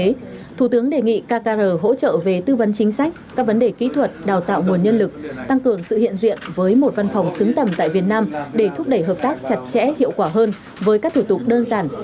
vì vậy thủ tướng đề nghị kcr hỗ trợ về tư vấn chính sách các vấn đề kỹ thuật đào tạo nguồn nhân lực tăng cường sự hiện diện với một văn phòng xứng tầm tại việt nam để thúc đẩy hợp tác chặt chẽ hiệu quả hơn với các thủ tục đơn giản